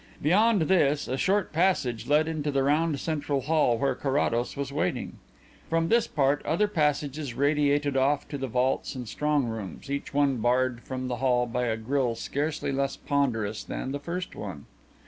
Beyond this, a short passage led into the round central hall where Carrados was waiting. From this part, other passages radiated off to the vaults and strong rooms, each one barred from the hall by a grille scarcely less ponderous than the first one.